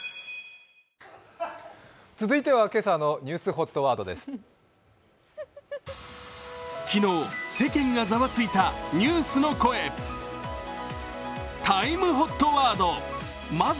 続いては、今朝のニュースＨＯＴワードです。